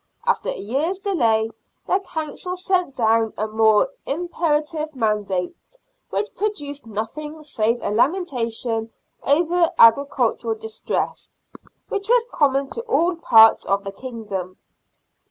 After a year's delay the Council sent down a " REDEMPTIONER " ORDINANCES. Ill more imperative mandate, which produced nothing save a lamentation over agricultural distress, which was common to all parts of the kingdom.